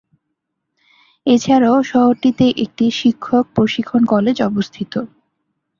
এছাড়াও শহরটিতে একটি শিক্ষক প্রশিক্ষণ কলেজ অবস্থিত।